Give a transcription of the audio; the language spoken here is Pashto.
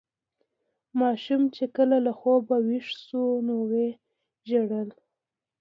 ماشوم چې کله له خوبه ویښ شو نو ویې ژړل.